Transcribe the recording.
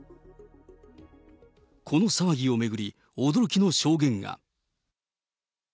この騒ぎを巡り、驚きの証言が。